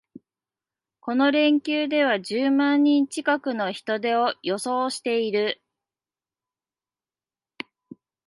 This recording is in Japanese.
この連休では十万人近くの人出を予想している